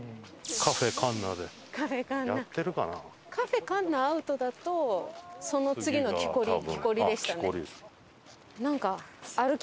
カフェかんなアウトだとその次のきこりきこりでしたね。